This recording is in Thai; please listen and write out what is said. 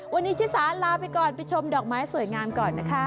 วันนี้ชิสาลาไปก่อนไปชมดอกไม้สวยงามก่อนนะคะ